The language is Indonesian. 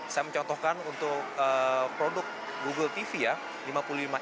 saya mencontohkan untuk produk google tv ya